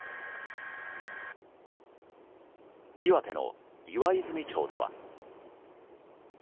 岩手の岩泉町では。